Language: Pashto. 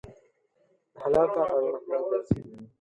د حلال کار ارزښتناک دی.